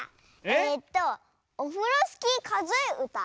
えっと「オフロスキーかぞえうた」？